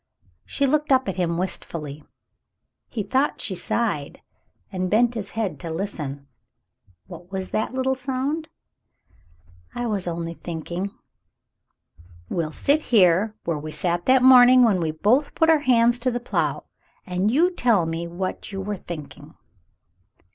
She looked up at him wistfully. He thought she sighed, and bent his head to listen. "What was that little sound ?" "I was only thinking." "We'll sit here where we sat that morning when we both put our hands to the plough, and you tell me what you were thinking."